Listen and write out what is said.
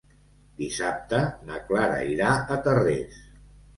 Dissabte na Clara irà a Tarrés.